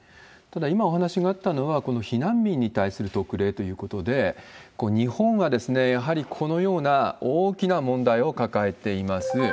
ただ、今お話があったのは、この避難民に対する特例ということで、日本はやはりこのような大きな問題を抱えています。